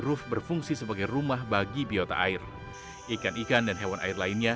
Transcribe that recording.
untuk tujuannya tahu pemirsa baik baik sendiri